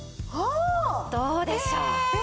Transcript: どうでしょう？